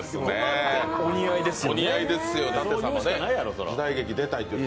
お似合いですよね。